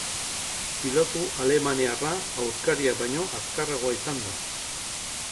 Pilotu alemaniarra aurkariak baino azkarragoa izan da.